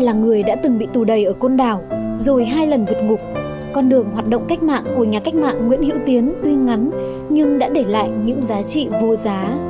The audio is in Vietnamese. là người đã từng bị tù đầy ở côn đảo rồi hai lần vượt ngục con đường hoạt động cách mạng của nhà cách mạng nguyễn hữu tiến tuy ngắn nhưng đã để lại những giá trị vô giá